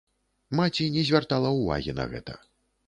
Маці не звяртала ўвагі на гэта.